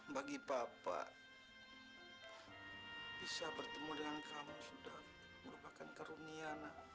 bagi papa bisa bertemu dengan kamu sudah merupakan karunia